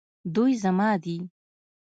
دوی زما دي